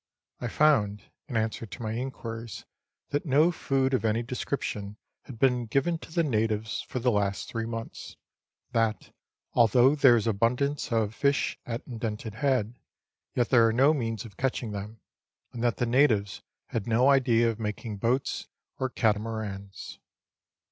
I found, in answer to my inquiries, that no food of any description had been given to the natives for the last three months ; that, although there is abundance of fish at Indented Head, yet there are no means of catching them, and that the natives had no idea of making boats or catamarans.